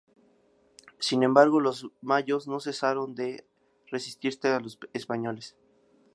Sin embargo, los mayos no cesaron de resistirse a los españoles.